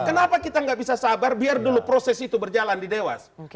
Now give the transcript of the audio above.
kenapa kita nggak bisa sabar biar dulu proses itu berjalan di dewas